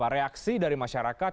reaksi dari masyarakat